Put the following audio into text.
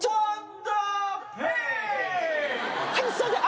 はいすいません。